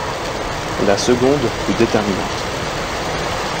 La seconde fut déterminante.